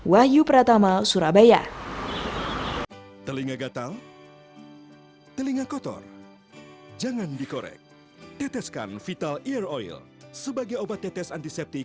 wahyu pratama surabaya